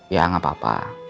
ya enggak apa apa